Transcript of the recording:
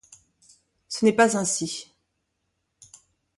Ce n’est pas ainsi.